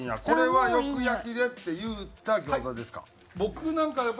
これは「よく焼きで」って言うた餃子ですか？